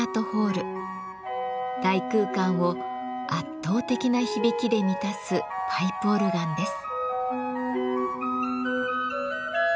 大空間を圧倒的な響きで満たすパイプオルガンです。